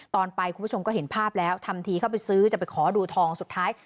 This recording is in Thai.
ตอนไปคุณผู้ชมก็เห็นภาพแล้วทำทีเข้าไปซื้อจะไปขอดูทองสุดท้าย